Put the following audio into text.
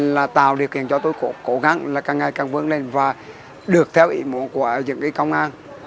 là tạo điều kiện cho tôi cố gắng càng ngày càng vững lên và được theo ý mộ của những công an